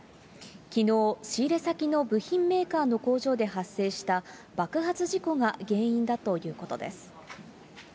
きのう、仕入れ先の部品メーカーの工場で発生した爆発事故が原因だということです。